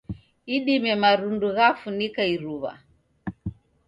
Idime marundu ghafunika iruw'a